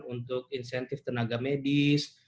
untuk insentif tenaga medis